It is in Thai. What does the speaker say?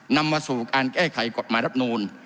นำมาสู่การแก้ไขกฎหมายรับนูล